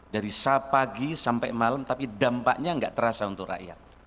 dari pagi sampai malam tapi dampaknya nggak terasa untuk rakyat